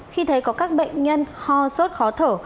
khi thấy có các bệnh nhân ho sốt khó thở